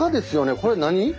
これ何？